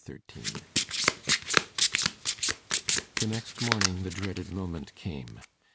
Chapter 13 The next morning the dreaded moment came.